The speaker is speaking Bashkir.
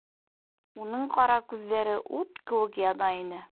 Уның ҡара күҙҙәре ут кеүек яна ине.